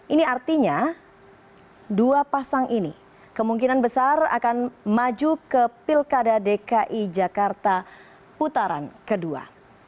ini artinya dua pasang ini kemungkinan besar akan maju ke pilkada dki jakarta putaran kedua